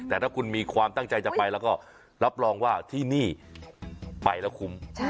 แต่ถ้าคุณมีความตั้งใจจะไปแล้วก็รับรองว่าที่นี่ไปแล้วคุ้ม